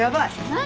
何？